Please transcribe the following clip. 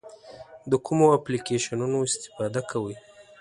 د کومو اپلیکیشنونو استفاده کوئ؟